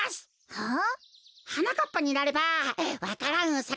はあ。